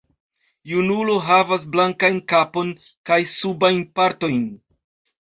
Junulo havas blankajn kapon kaj subajn partojn.